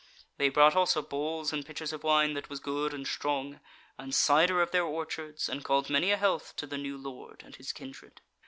They brought also bowls and pitchers of wine that was good and strong, and cider of their orchards, and called many a health to the new Lord and his kindred.